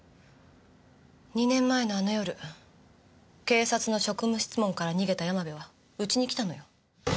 ２年前のあの夜警察の職務質問から逃げた山部はうちに来たのよ。